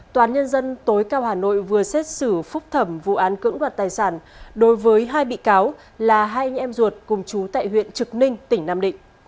tòa án nhân dân tối cao hà nội vừa xét xử phúc thẩm vụ án cưỡng đoạt tài sản đối với hai bị cáo là hai anh em ruột cùng chú tại huyện trực ninh tỉnh nam định